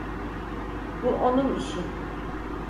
Bu onun işi.